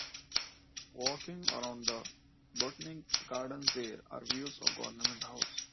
Walking around the Botanic Gardens there are views of Government House.